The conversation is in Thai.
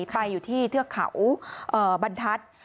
ไปอยู่ที่เทือกเขาบรรทัศน์